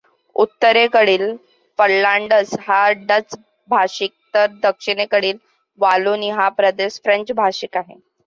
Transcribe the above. उत्तरेकडील फ्लांडर्स हा डच भाषिक तर दक्षिणेकडील वालोनी हा प्रदेश फ्रेंच भाषिक आहे.